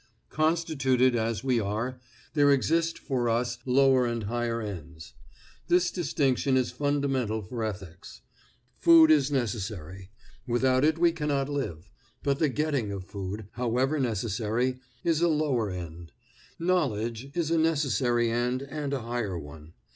Constituted as we are, there exist for us lower and higher ends. This distinction is fundamental for ethics. Food is necessary; without it we cannot live. But the getting of food however necessary is a lower end. Knowledge is a necessary end, and a higher one.